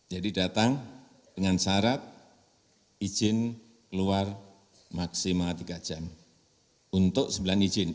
jadi datang dengan syarat izin keluar maksimal tiga jam untuk sembilan izin